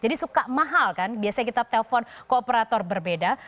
jadi suka mahal kan biasanya kita telpon ke operator berbeda